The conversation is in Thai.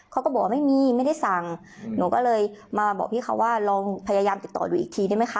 เขาก็บอกว่าไม่มีไม่ได้สั่งหนูก็เลยมาบอกพี่เขาว่าลองพยายามติดต่อดูอีกทีได้ไหมคะ